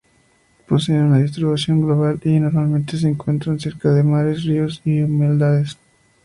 Poseen una distribución global y normalmente se encuentran cerca de mares, ríos y humedales.